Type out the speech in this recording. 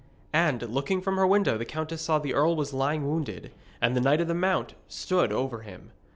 And looking from her window the countess saw the earl was lying wounded, and the Knight of the Mount stood over him.